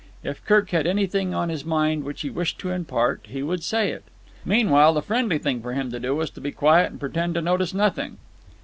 If Kirk had anything on his mind which he wished to impart he would say it. Meanwhile, the friendly thing for him to do was to be quiet and pretend to notice nothing.